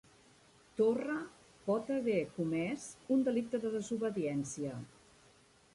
Torra pot haver comès un delicte de desobediència